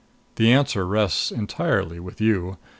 The answer rests entirely with you.